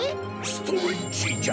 ストレッチジャ！